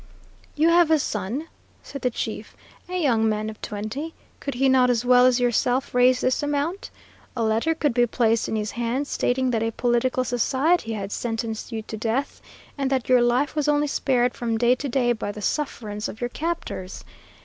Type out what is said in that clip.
"You have a son," said the chief, "a young man of twenty. Could he not as well as yourself raise this amount? A letter could be placed in his hands stating that a political society had sentenced you to death, and that your life was only spared from day to day by the sufferance of your captors.